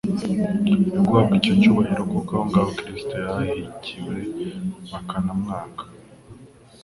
yo guhabwa icyo cyubahiro, kuko aho ngaho Kristo yahahlkiwe bakanamwanga.